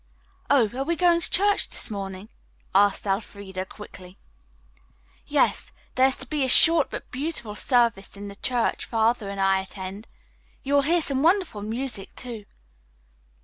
"Oh, are we going to church this morning?" asked Elfreda quickly. "Yes. There is to be a short but beautiful service in the church Father and I attend. You will hear some wonderful music, too."